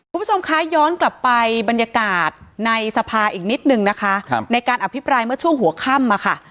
คุณผู้ชมคะย้อนกลับไปบรรยากาศในสภาอีกนิดนึงนะคะในการอภิปรายเมื่อช่วงหัวค่ำอะค่ะ